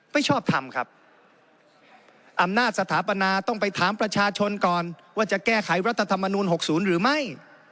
ไม่ชอบทำครับอำนาจสถาปนาต้องไปถามประชาชนก่อนว่าจะแก้ไขรัฐธรรมนูล๖๐หรือไม่